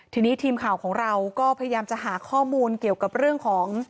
ทีนี้ทีมข่าวของเราก็พยายามจะหาข้อมูลเกี่ยวกับเรื่องของ